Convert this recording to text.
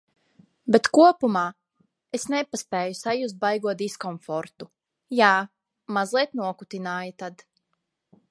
Bet kopumā es nepaspēju sajust baigo diskomfortu. Jā, mazliet nokutināja tad.